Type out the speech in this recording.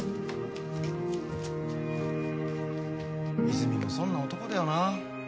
泉も損な男だよな。